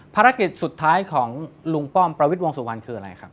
ภารกิจสุดท้ายของลุงป้อมประวิทย์วงสุวรรณคืออะไรครับ